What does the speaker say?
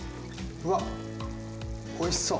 うわっおいしそう！